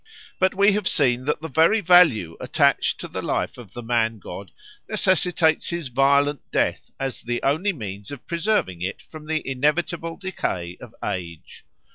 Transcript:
But we have seen that the very value attached to the life of the man god necessitates his violent death as the only means of preserving it from the inevitable decay of age.